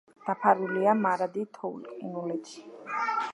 დაფარულია მარადი თოვლ-ყინულით.